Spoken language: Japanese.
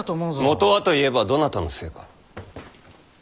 元はと言えばどなたのせいか。